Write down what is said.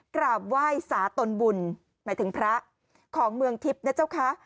กราบไหว้สาตนบุญหมายถึงพระของเมืองทิพย์นะเจ้าคะ